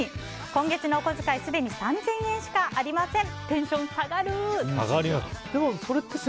今月のお小遣いすでに３０００円しかありません。